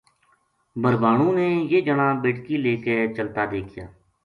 بھربھانو نے یہ جنا بیٹکی لے کے چلتا دیکھیا